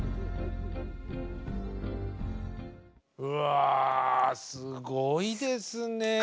うわすごいですね。